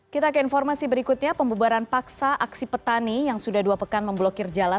kita ke informasi berikutnya pembubaran paksa aksi petani yang sudah dua pekan memblokir jalan